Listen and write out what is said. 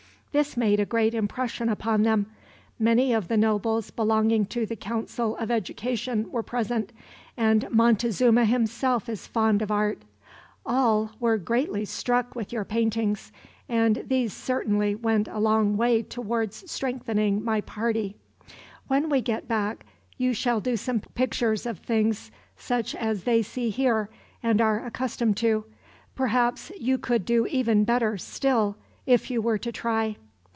"This made a great impression upon them. Many of the nobles belonging to the Council of Education were present, and Montezuma himself is fond of art. All were greatly struck with your paintings, and these certainly went a long way towards strengthening my party. When we get back, you shall do some pictures of things such as they see here, and are accustomed to. Perhaps you could do even better, still, if you were to try."